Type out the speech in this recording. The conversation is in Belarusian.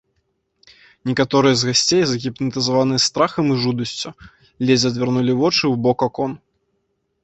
Некаторыя з гасцей, загіпнатызаваныя страхам і жудасцю, ледзь адвярнулі вочы ў бок акон.